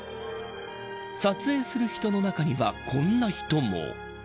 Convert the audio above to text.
撮影する人の中にはこんな人も。